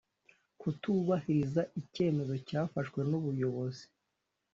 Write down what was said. kutubahiriza icyemezo cyafashwe n’ubuyobozi